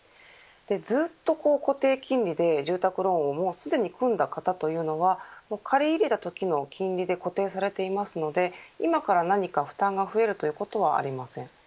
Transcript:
ずっと固定金利で住宅ローンをすでに組んだ方というのは借り入れたときの金利で固定されていますので今から何か負担が増えるということはありません。